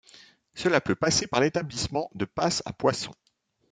Cela peut passer par l'établissement de passes à poissons.